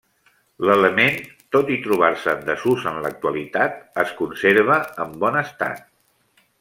L'element, tot i trobar-se en desús en l'actualitat, es conserva en bon estat.